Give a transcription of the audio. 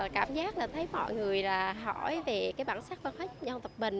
cảm giác thấy mọi người hỏi về bản sắc văn hóa của dân tộc mình